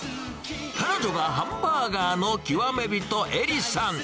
彼女がハンバーガーの極め人、エリさん。